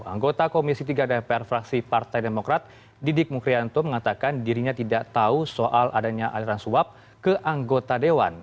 anggota komisi tiga dpr fraksi partai demokrat didik mukrianto mengatakan dirinya tidak tahu soal adanya aliran suap ke anggota dewan